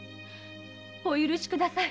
お許しください。